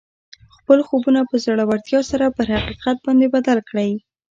خپل خوبونه په زړورتیا سره پر حقیقت باندې بدل کړئ